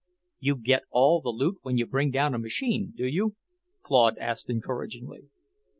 "You get all the loot when you bring down a machine, do you?" Claude asked encouragingly.